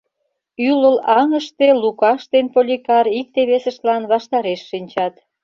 Ӱлыл аҥыште Лукаш ден Поликар икте-весыштлан ваштареш шинчат.